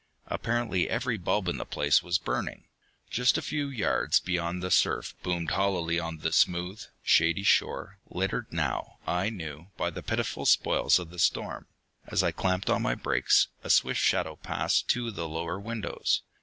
Apparently every bulb in the place was burning. Just a few yards beyond the surf boomed hollowly on the smooth, shady shore, littered now, I knew, by the pitiful spoils of the storm. As I clamped on my brakes, a swift shadow passed two of the lower windows.